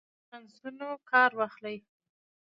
چانسونو کار واخلئ.